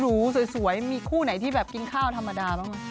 สวยมีคู่ไหนที่แบบกินข้าวธรรมดาบ้าง